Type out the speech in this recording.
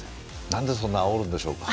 なんでそんなにあおるんでしょうか。